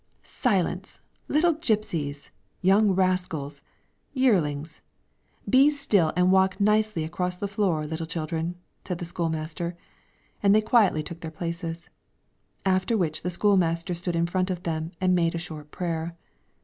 "Silence, little gypsies, young rascals, yearlings! be still and walk nicely across the floor, little children!" said the school master, and they quietly took their places, after which the school master stood in front of them and made a short prayer.